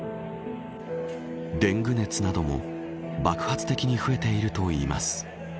デング熱なども爆発的に増えているといいます。